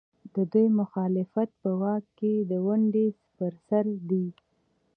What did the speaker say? د دوی مخالفت په واک کې د ونډې پر سر دی.